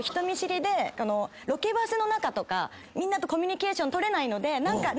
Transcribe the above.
ロケバスの中とかみんなとコミュニケーション取れないので。